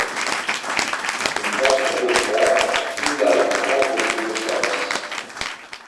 Une pension de francs fut la récompense de ses bons services.